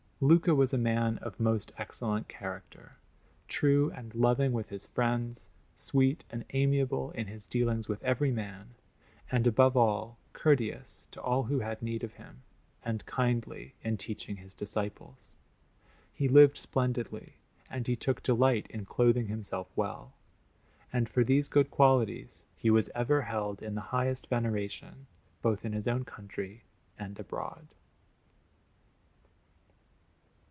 Luca was a man of most excellent character, true and loving with his friends, sweet and amiable in his dealings with every man, and, above all, courteous to all who had need of him, and kindly in teaching his disciples. He lived splendidly, and he took delight in clothing himself well. And for these good qualities he was ever held in the highest veneration both in his own country and abroad.